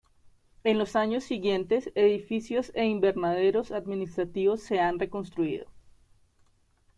En los años siguientes edificios e invernaderos administrativos se han reconstruido.